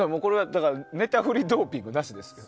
寝たふりドーピングなしですよ。